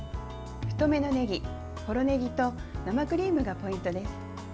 太めのねぎ、ポロねぎと生クリームがポイントです。